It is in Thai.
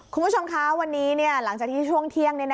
คุณผู้ชมคะวันนี้หลังจากที่ช่วงเที่ยง